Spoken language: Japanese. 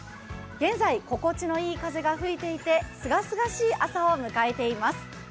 現在、心地のいい風が吹いていて清々しい朝を迎えています。